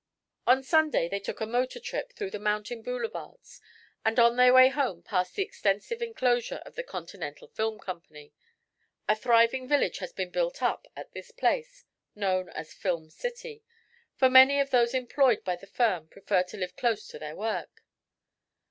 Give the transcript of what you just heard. On Sunday they took a motor trip through the mountain boulevards and on their way home passed the extensive enclosure of the Continental Film Company. A thriving village has been built up at this place, known as Film City, for many of those employed by the firm prefer to live close to their work.